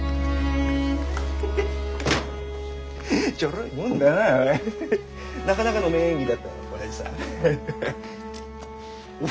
ちょろいもんだななかなかの名演技だったよオヤジさん。